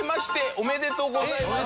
おめでとうございます。